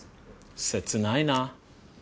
切ないな。